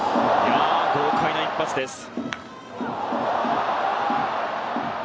豪快な一発でした。